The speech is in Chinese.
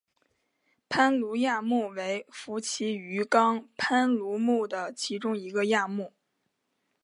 攀鲈亚目为辐鳍鱼纲攀鲈目的其中一个亚目。